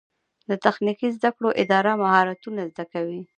د تخنیکي زده کړو اداره مهارتونه زده کوي